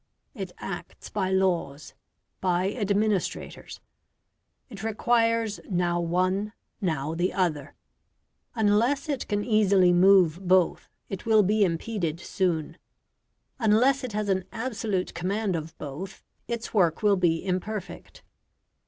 It acts by laws by administrators; it requires now one, now the other; unless it can easily move both it will be impeded soon; unless it has an absolute command of both its work will be imperfect.